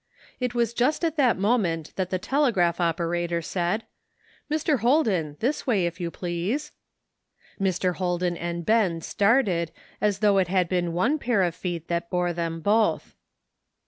It was just at that moment that the telegraph operator said, "Mr. Holden, this way if you please." Mr. Holden and Ben started ^ though it had been one pair of feet that bor^ them both.